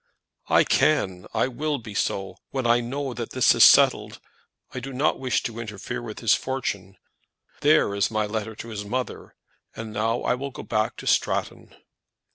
"I can. I will be so, when I know that this is settled. I do not wish to interfere with his fortune. There is my letter to his mother, and now I will go back to Stratton."